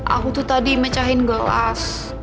aku tuh tadi mecahin gelas